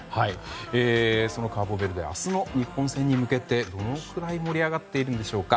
そのカーボベルデは明日の日本戦に向けてどのくらい盛り上がっているんでしょうか。